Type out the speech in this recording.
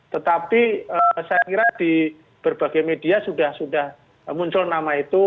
tetapi saya kira di berbagai media sudah muncul nama itu